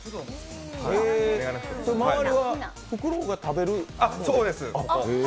周りは、フクロウが食べる？